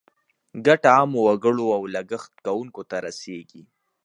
ګټه عامو وګړو او لګښت کوونکو ته رسیږي.